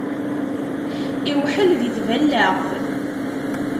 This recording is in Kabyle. Iwḥel di tballaɣt.